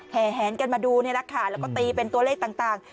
แหนกันมาดูนี่แหละค่ะแล้วก็ตีเป็นตัวเลขต่าง